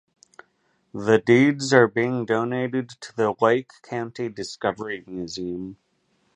The deeds are being donated to the Lake County Discovery Museum.